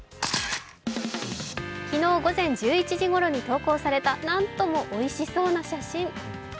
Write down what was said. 昨日午前１１時ごろに投稿されたなんともおいしそうな写真。